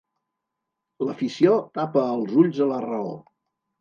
L'afició tapa els ulls a la raó.